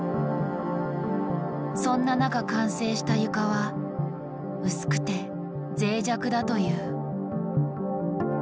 そんな中完成した床は薄くてぜい弱だという。